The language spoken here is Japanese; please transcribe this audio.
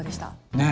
ねえ。